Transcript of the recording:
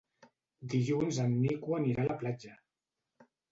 Dilluns en Nico anirà a la platja.